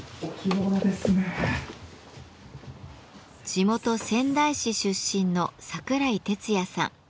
地元仙台市出身の櫻井鉄矢さん。